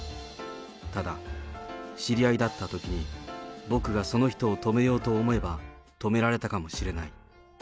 ただ、知り合いだったときに、僕がその人を止めようと思えば止められたかもしれない。